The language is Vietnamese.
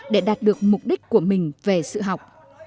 để đạt được mục đích của mình về sự học